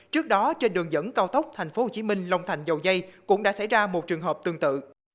trước đó trên đường dẫn cao tốc tp hcm long thành dầu dây cũng đã xảy ra một trường hợp tương tự